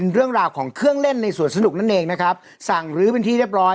เรื่องราวของเครื่องเล่นในสวนสนุกนั่นเองนะครับสั่งลื้อเป็นที่เรียบร้อย